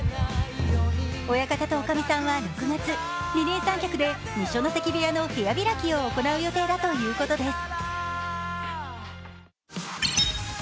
親方とおかみさんは、６月、二人三脚で二所ノ関部屋の部屋開きを行うということです。